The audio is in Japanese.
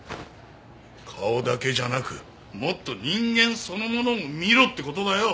顔だけじゃなくもっと人間そのものを見ろって事だよ。